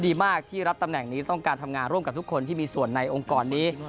ดีมากที่รับตำแหน่งนี้ต้องการทำงานร่วมกับทุกคนที่มีส่วนในองค์กรนี้